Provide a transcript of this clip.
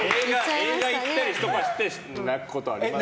映画行ったりとかして泣くことはありますけど。